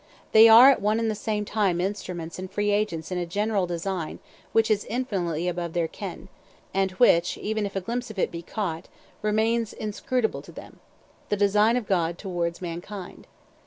They are at one and the same time instruments and free agents in a general design which is infinitely above their ken, and which, even if a glimpse of it be caught, remains inscrutable to them the design of God towards mankind.